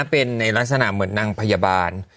เป็นในลักษณะเหมือนนางพยาบาล